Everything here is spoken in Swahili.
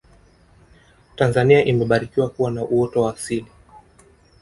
tanzania imebarikiwa kuwa na uoto wa asili